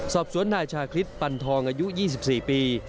สอบสวนนายชาคริสปันทองอายุ๒๔ปี